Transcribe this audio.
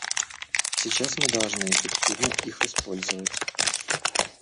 Сейчас мы должны эффективно их использовать.